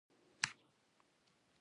پر سړک ګڼه ګوڼه وه.